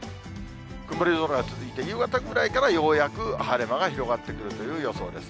曇り空が続いて、夕方ぐらいからようやく晴れ間が広がってくるという予想です。